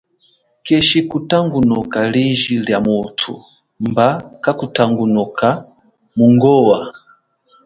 Keshi kutangunuka liji lia muthu, mba kakutangunuka mungowa.